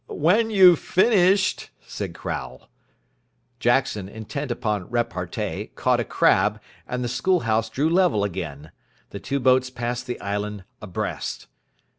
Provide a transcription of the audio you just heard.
"When you've finished," said Crowle. Jackson, intent upon repartee, caught a crab, and the School House drew level again. The two boats passed the island abreast.